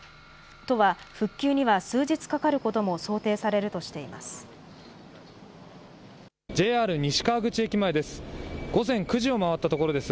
都は、復旧には数日かかることも想定されるとしています。